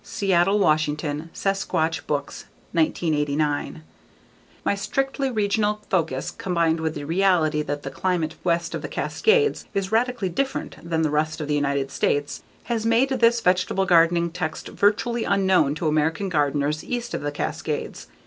_ Seattle, Washington: Sasquatch Books, 1989. My strictly regional focus combined with the reality that the climate west of the Cascades is radically different than the rest of the United States has made this vegetable gardening text virtually unknown to American gardeners east of the Cascades.